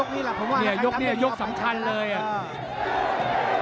เนี่ยยกเนี่ยยกสำคัญเลยอะ